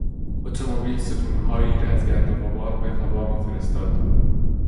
اتومبیل ستونهایی از گرد و خاک به هوا میفرستاد.